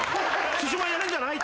獅子舞やれんじゃない？」